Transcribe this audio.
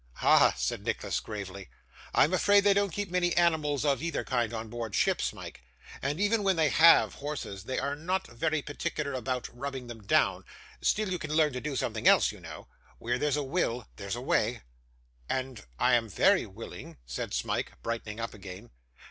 'Ha!' said Nicholas, gravely. 'I am afraid they don't keep many animals of either kind on board ship, Smike, and even when they have horses, that they are not very particular about rubbing them down; still you can learn to do something else, you know. Where there's a will, there's a way.' 'And I am very willing,' said Smike, brightening up again.